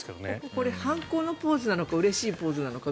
これ反抗のポーズなのかうれしいポーズなのか。